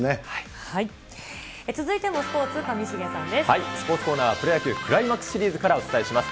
続いてもスポーツ、上重さんスポーツコーナーは、プロ野球・クライマックスシリーズからお伝えします。